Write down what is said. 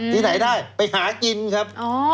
ที่ไหนได้ไปหากินครับ